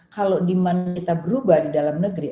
kalau demand kita berubah di dalam negeri